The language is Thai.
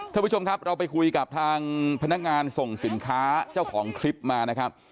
ท่านผู้ชมครับเราไปคุยกับทางพนักงานส่งสินค้าเจ้าของคลิปมานะครับ